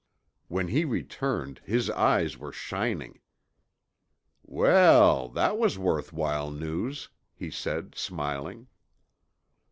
When he returned his eyes were shining. "Well, that was worth while news," he said smiling.